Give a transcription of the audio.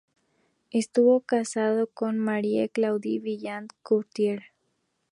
Estuvo casado con Marie-Claude Vaillant-Couturier.